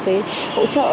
cái hỗ trợ